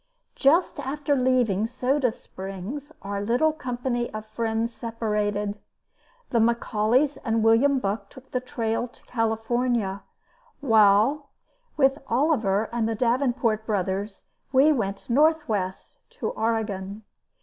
Just after leaving Soda Springs our little company of friends separated. The McAuleys and William Buck took the trail to California, while with Oliver and the Davenport brothers we went northwest to Oregon.